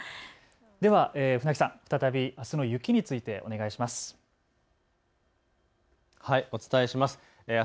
では船木さん、再びあすの雪についてお願いします。